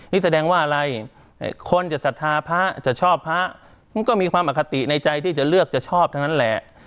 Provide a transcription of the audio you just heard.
นี่แสดงว่าอะไรคนจะศรัทธาพระจะชอบพระมันก็มีความอคติในใจที่จะเลือกจะชอบทั้งนั้นแหละ